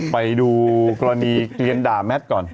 ไปดูกรณีเกียรด่าแมทก่อน